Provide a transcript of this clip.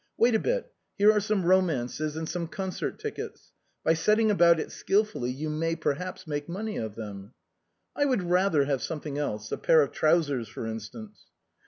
" Wait a bit, here are some romances and some con cert tickets. By setting about it skilfully you may, per haps, make money of them." " I would rather have something else, a pair of trousers, for instance."